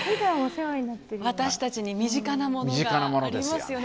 私たちに身近なものがありますよね。